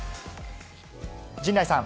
陣内さん。